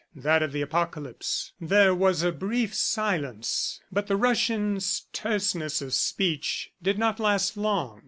"That of the Apocalypse." There was a brief silence, but the Russian's terseness of speech did not last long.